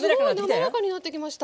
滑らかになってきました。